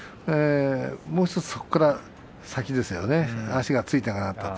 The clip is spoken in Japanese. もうひとつそこから先ですね